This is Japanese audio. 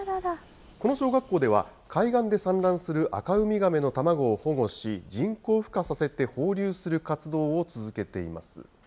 この小学校では、海岸で産卵するアカウミガメの卵を保護し、人工ふ化させて放流する活動を続けています。